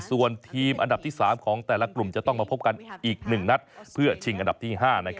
ส่วนทีมอันดับที่๓ของแต่ละกลุ่มจะต้องมาพบกันอีก๑นัดเพื่อชิงอันดับที่๕